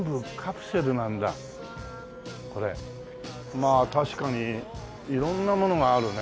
まあ確かに色んなものがあるね。